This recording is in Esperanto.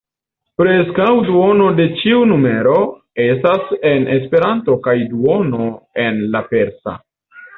Preskaŭ duono de ĉiu n-ro estas en Esperanto kaj duono en la persa.